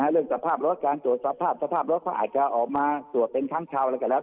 เรื่องสภาพรถการตรวจสภาพสภาพรถเขาอาจจะออกมาตรวจเป็นครั้งคราวอะไรก็แล้ว